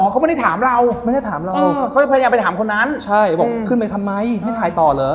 อ๋อเขาไม่ได้ถามเรา